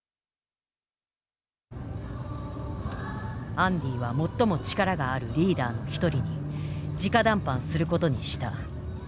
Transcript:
アンディは最も力があるリーダーの一人にじか談判することにした。